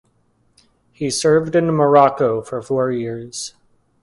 He served in Morocco for four years.